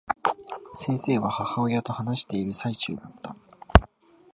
先生は、母親と話している最中だった。